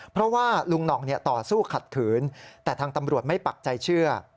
เพราะว่าลุงหน่องต่อสู้ขัดขืนแต่ทางตำรวจไม่ปักใจเชื่อ